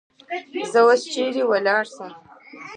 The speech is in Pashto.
زه اوس چیری ولاړسم؟